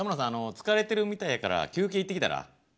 疲れてるみたいやから休憩行ってきたら？